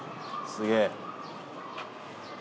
すげえ！